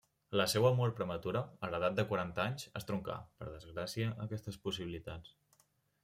La seua mort prematura, a l'edat de quaranta anys, estroncà, per desgràcia, aquestes possibilitats.